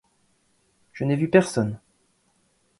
Je n’ai vu personne.